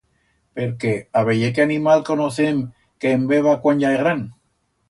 Perque a veyer qué animal conocem que en beba cuan ya é gran.